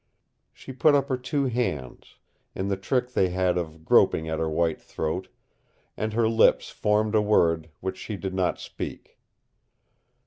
She put up her two hands, in the trick they had of groping at her white throat, and her lips formed a word which she did not speak.